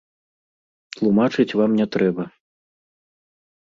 Тлумачыць вам не трэба.